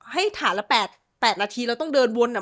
ฐานละ๘นาทีเราต้องเดินวน